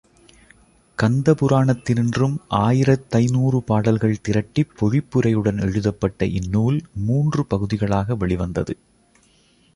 கந்தபுராணத்தினின்றும் ஆயிரத்தைந்நூறு பாடல்கள் திரட்டிப் பொழிப்புரையுடன் எழுதப்பட்ட இந் நூல் மூன்று பகுதிகளாக வெளிவந்தது.